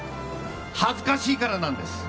恥ずかしいからなんです。